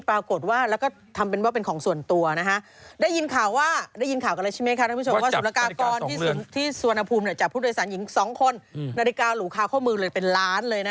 ปรากฏว่าแล้วก็ทำว่าเป็นของส่วนตัวนะฮะ